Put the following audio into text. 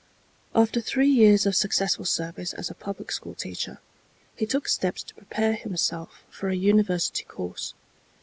After three years of successful service as a public school teacher, he took steps to prepare himself for a university course.